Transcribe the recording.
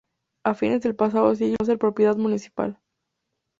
A fines del pasado siglo, pasó a ser propiedad municipal.